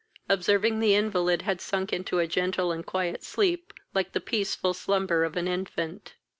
observing the invalid had sunk into a gentle and quiet sleep; like the peaceful slumber of an infant.